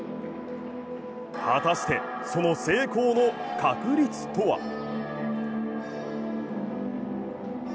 果たして、その成功の確率とは？